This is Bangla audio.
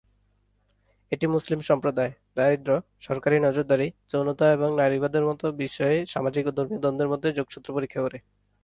এটি মুসলিম সম্প্রদায়, দারিদ্র্য, সরকারী নজরদারি, যৌনতা এবং নারীবাদের মতো বিষয়ে সামাজিক ও ধর্মীয় দ্বন্দ্বের মধ্যে যোগসূত্র পরীক্ষা করে।